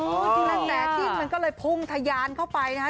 กระแสจิ้นมันก็เลยพุ่งทะยานเข้าไปนะฮะ